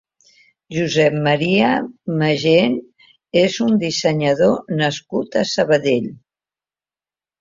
Josep Maria Magem és un dissenyador nascut a Sabadell.